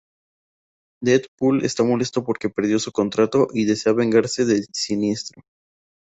Deadpool está molesto porque perdió su contrato y desea vengarse de Siniestro.